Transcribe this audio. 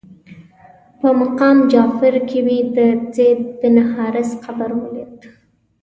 په مقام جعفر کې مې د زید بن حارثه قبر ولید.